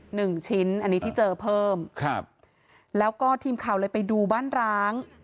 หนึ่งชิ้นอันนี้ที่เจอเพิ่มครับแล้วก็ทีมข่าวเลยไปดูบ้านร้าง